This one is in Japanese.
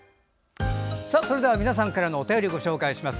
皆さんからのお便りをご紹介します。